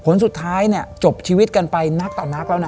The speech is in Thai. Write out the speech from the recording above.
ผลสุดท้ายเนี่ยจบชีวิตกันไปนักต่อนักแล้วนะ